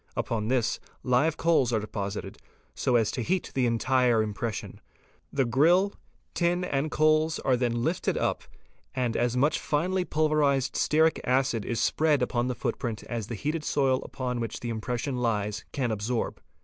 Upon this live coals are deposited so as to heat the entire impression. 'The grill, tin, and coals, are then lifted up and as much finely pulverized stearic acid is spread upon the footprint as the heated soil upon which the impression lies can absorb.